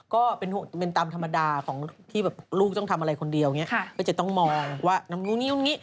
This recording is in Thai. ก็เป็นตามธรรมดาของที่ลูกต้องทำอะไรคนเดียวจะต้องมองว่านั่งงี้